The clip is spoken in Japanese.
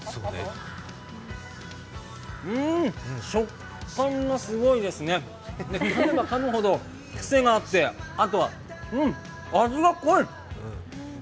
うーん、食感がすごいですねかめばかむほど癖があって、あとは味が濃い。